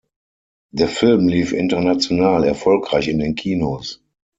Der Film lief international erfolgreich in den Kinos.